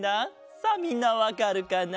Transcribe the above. さあみんなわかるかな？